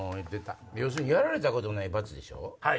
要するにやられたことない罰でしょ。